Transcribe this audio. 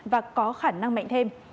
và có khả năng mạnh thêm